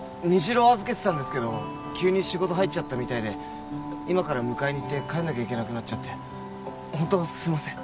虹朗預けてたんですけど急に仕事入っちゃったみたいで今から迎えにいって帰んなきゃいけなくなっちゃってホントすいません